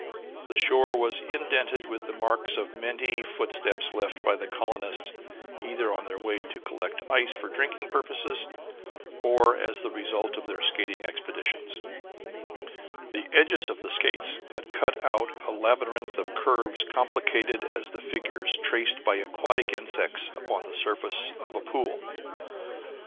The shore was indented with the marks of many footsteps left by the colonists either on their way to collect ice for drinking purposes, or as the result of their skating expeditions; the edges of the skates had cut out a labyrinth of curves complicated as the figures traced by aquatic insects upon the surface of a pool.